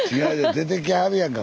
出てきはるやんか。